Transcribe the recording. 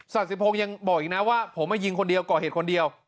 ศาสิพงศ์ยังบอกอีกนะว่าผมมายิงคนเดียวก่อเหตุคนเดียว